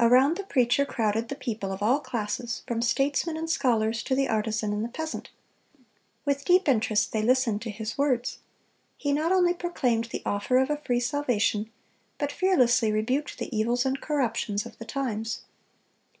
(250) Around the preacher crowded the people of all classes, from statesmen and scholars to the artisan and the peasant. With deep interest they listened to his words. He not only proclaimed the offer of a free salvation, but fearlessly rebuked the evils and corruptions of the times.